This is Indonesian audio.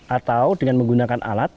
atau dengan menggunakan alat